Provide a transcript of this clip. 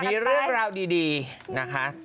มีเรื่องราวดีนะคะ